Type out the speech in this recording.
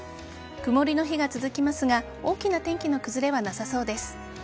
曇りの日が続きますが大きな天気の崩れはなさそうです。